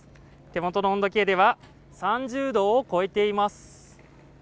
手元の温度計では３０度を超えています。